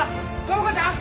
友果ちゃん？